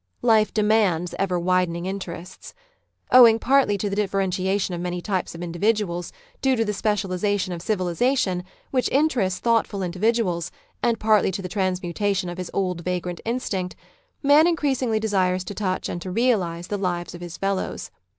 Life demands ever widening interests. Owing partly to the differen tiation of many types of individuals due to the specialisation of civilisation, which interests thought ful individuals, and partly to the transmutation of hi? old vagrant instinct, man increasingly desires to touch and to realise the lives of his fellows.